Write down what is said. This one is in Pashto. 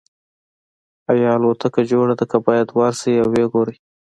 ایا الوتکه جوړه ده که باید ورشئ او وګورئ